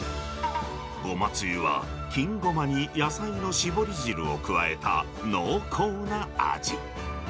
ゴマつゆは、金ゴマに野菜のしぼり汁を加えた濃厚な味。